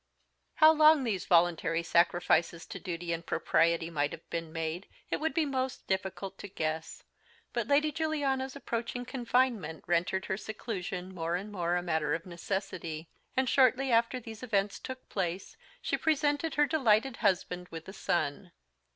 _ How long these voluntary sacrifices to duty and propriety might have been made it would mot be difficult to guess; but Lady Juliana's approaching confinement rendered her seclusion more and more a matter of necessity; and shortly after these events took place she presented her delighted husband with a son.